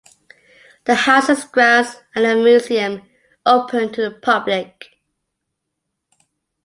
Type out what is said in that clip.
The house and its grounds are now a museum open to the public.